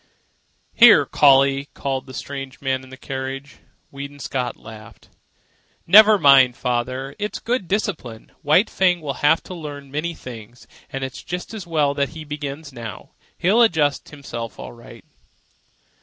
"Here, Collie!" called the strange man in the carriage. Weedon Scott laughed. "Never mind, father. It is good discipline. White Fang will have to learn many things, and it's just as well that he begins now. He'll adjust himself all right."